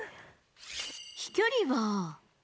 飛距離は。